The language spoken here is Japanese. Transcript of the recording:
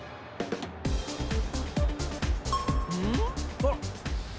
あっ！